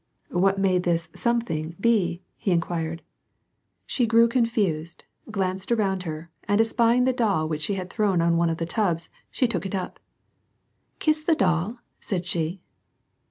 " Wliat may this something be ?" he inquired. WAR AND PEACE. 61 She grew confused, glanced around her, and espying the doll which she had thrown on one of the tubs, she took it up. " Kiss the doll," said she.